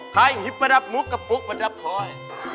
ขายหิบประดับมุกกะปุกประดับพลอย